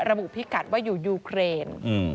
พิกัดว่าอยู่ยูเครน